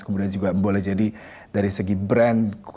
kemudian juga boleh jadi dari segi brand